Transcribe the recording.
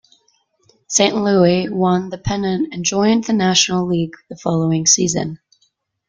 Saint Louis won the pennant and joined the National League the following season.